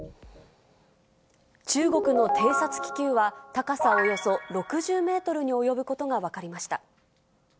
中国の偵察気球は、高さおよそ６０メートルに及ぶことが分かりました。